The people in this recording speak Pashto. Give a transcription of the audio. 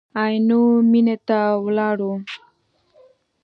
عینو مېنې ته ولاړو.